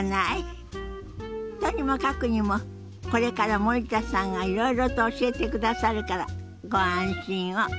とにもかくにもこれから森田さんがいろいろと教えてくださるからご安心を。